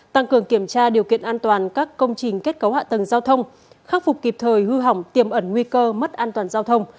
tăng cường kiểm tra điều kiện an toàn các công trình kết cấu hạ tầng giao thông khắc phục kịp thời hư hỏng tiềm ẩn nguy cơ mất an toàn giao thông